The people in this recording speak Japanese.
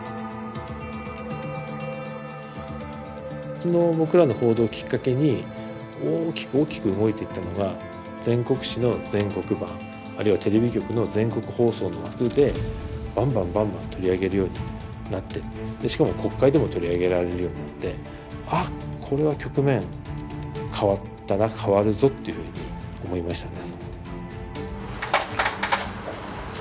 その僕らの報道きっかけに大きく大きく動いていったのが全国紙の全国版あるいはテレビ局の全国放送の枠でばんばんばんばん取り上げるようになってしかも国会でも取り上げられるようになって「あこれは局面変わったな変わるぞ」っていうふうに思いましたね。